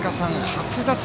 初打席